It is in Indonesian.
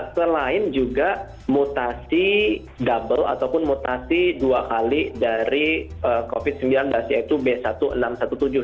selain juga mutasi double ataupun mutasi dua kali dari covid sembilan belas yaitu b seribu enam ratus tujuh belas